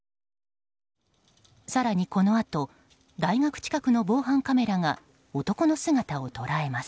更に、このあと大学近くの防犯カメラが男の姿を捉えます。